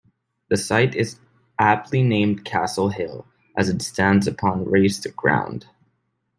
The site is aptly named Castle Hill, as it stands upon raised ground.